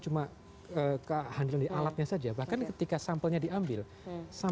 mereka juga punya tindakan